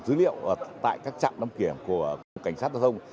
với cơ sở dữ liệu tại các trạm đăng kiểm của cục cảnh sát giao thông